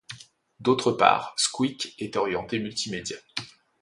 D'autre part, Squeak est orienté multimédia.